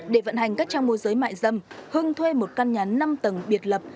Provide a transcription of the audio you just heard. để vận hành các trang mô giới mại dâm hưng thuê một căn nhà năm tầng biệt lập